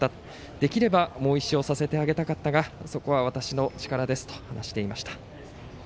できればもう一勝させてあげたかったがそこは私の力ですと話していました。